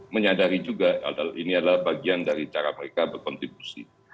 menyadari juga ini adalah bagian dari cara mereka berkontribusi